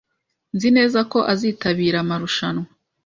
Nzi neza ko azitabira amarushanwa